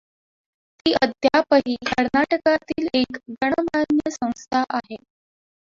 ती अद्यापही कर्नाटकातील एक गणमान्य संस्था आहे.